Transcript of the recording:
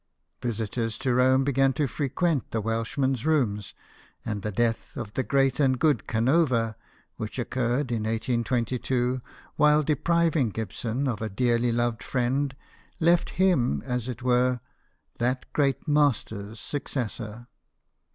Visitors to Rome began to frequent the Welshman's rooms, and the death of " the great and good Canova," which occurred in 1822, w r hile depriving Gibson of a dearly loved friend, left him, as it were, that great master's successor.